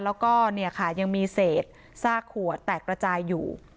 แล้วก็เนี่ยค่ะยังมีเศษซากขวดแตกระจายอยู่